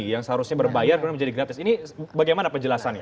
yang seharusnya berbayar kemudian menjadi gratis ini bagaimana penjelasannya